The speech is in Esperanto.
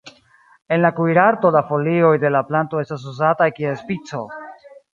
En la kuirarto la folioj de la planto estas uzataj kiel spico.